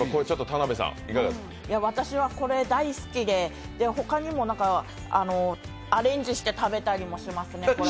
私はこれ大好きで、ほかにもアレンジして食べたりもしますね。